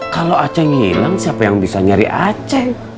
kalau aceng hilang siapa yang bisa nyari aceng